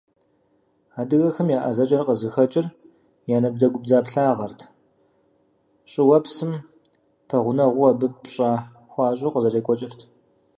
Адыгэхэм я ӏэзэкӏэр къызыхэкӏыр я набдзэгубдзаплъагъэрт, щӏыуэпсым пэгъунэгъуу, абы пщӏэ хуащӏу къызэрекӏуэкӏырт.